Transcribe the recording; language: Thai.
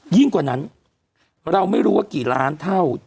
กว่านั้นเราไม่รู้ว่ากี่ล้านเท่า